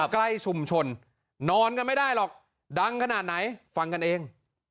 ใกล้ชุมชนนอนกันไม่ได้หรอกดังขนาดไหนฟังกันเอง